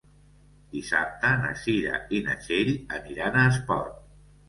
Dissabte na Cira i na Txell aniran a Espot.